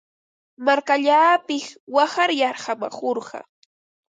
Markallaapiq waqar yarqamurqaa.